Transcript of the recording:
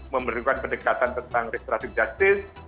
memberikan pendekatan tentang restoratif justice